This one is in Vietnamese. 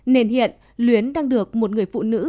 nên hiện luyến đang được một người phụ nữ